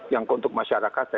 yang untuk masyarakat